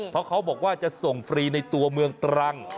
เพราะเขาบอกว่าจะส่งฟรีในตัวเมืองตรัง